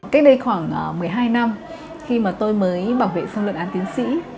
cách đây khoảng một mươi hai năm khi mà tôi mới bảo vệ xong luận án tiến sĩ